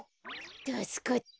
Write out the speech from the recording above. たすかった。